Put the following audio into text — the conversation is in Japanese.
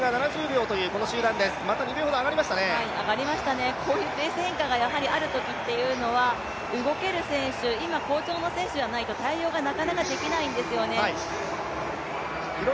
ペースが上がりましたね、こういうペース変化があるときというのは動ける選手、今、好調の選手じゃないと対応がなかなかできないんですよね。